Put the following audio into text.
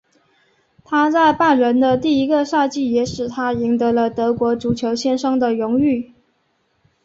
他在拜仁的第一个赛季也使他赢得了德国足球先生的荣誉。